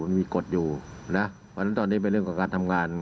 มันมีกฎอยู่นะวันนั้นตอนนี้เป็นเรื่องกับการทำงาน